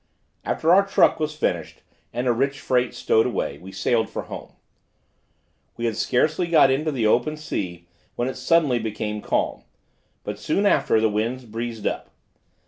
After our truck was finished and a rich freight stowed away, we sailed for home. We had scarcely got into the open sea when it suddenly became calm, but soon after the wind breezed up.